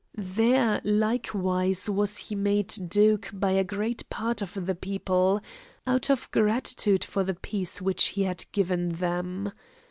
There likewise was he made duke by a great part of the people, out of gratitude for the peace which he had given them.